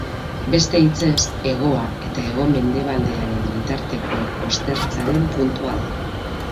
Beste hitzez, hegoa eta hego-mendebaldearen bitarteko ostertzaren puntua da.